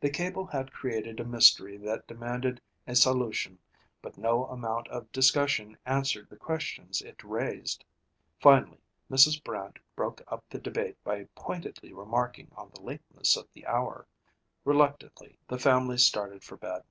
The cable had created a mystery that demanded a solution, but no amount of discussion answered the questions it raised. Finally, Mrs. Brant broke up the debate by pointedly remarking on the lateness of the hour. Reluctantly, the family started for bed.